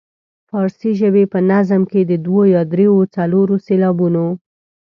فارسي ژبې په نظم کې د دوو یا دریو او څلورو سېلابونو.